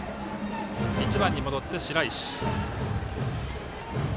打者は１番に戻って白石。